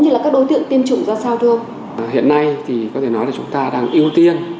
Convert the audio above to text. như là các đối tượng tiêm chủng ra sao thưa ông hiện nay thì có thể nói là chúng ta đang ưu tiên